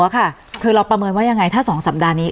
ค่ะคือเราประเมินว่ายังไงถ้า๒สัปดาห์นี้